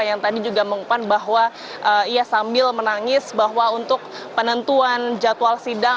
yang tadi juga mengupan bahwa ia sambil menangis bahwa untuk penentuan jadwal sidang